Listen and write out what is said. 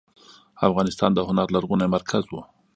افغانستان د هنر لرغونی مرکز و.